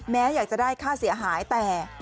แม้อยากจะได้ค่าเสียหายแต่